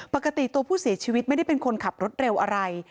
ปกติตัวผู้เสียชีวิตไม่ได้เป็นคนขับรถเร็วอะไร